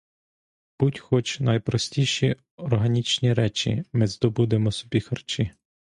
Будь хоч найпростіші органічні речі, — ми здобудемо собі харчі.